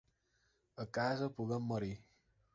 A casa puguem morir.